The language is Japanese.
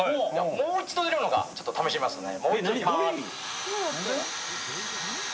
もう一度できるのか、ためしてみますね。